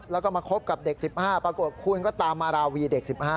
แล้วก็มาคบกับเด็ก๑๕ปรากฏคุณก็ตามมาราวีเด็ก๑๕